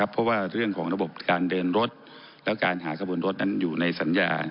เพราะว่าเรื่องของระบบการเดินรถและการหาขบวนรถนั้นอยู่ในสัญญา